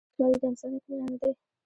• شتمني د انسانیت معیار نه دی.